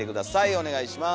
お願いします。